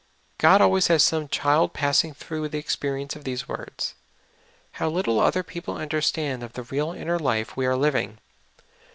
God al ways has some child passing through the experience of these words. How little other people understand of the real inner life we are living